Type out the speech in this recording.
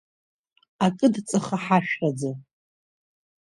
Акыдҵаха ҳашәраӡа!